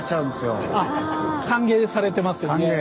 歓迎されてますよね。